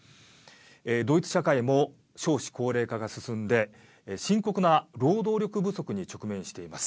ドイツ社会も少子高齢化が進んで深刻な労働力不足に直面しています。